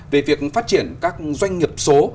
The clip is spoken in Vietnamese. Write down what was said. về việc phát triển các doanh nghiệp số